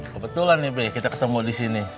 kebetulan nih be kita ketemu disini